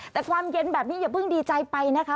แต่ความเย็นแบบนี้อย่าเพิ่งดีใจไปนะคะ